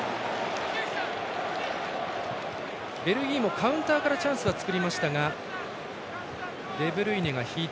ベルギーもカウンターからチャンスは作りました。